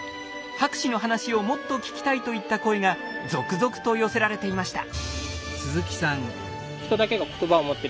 「博士の話をもっと聞きたい」といった声が続々と寄せられていました。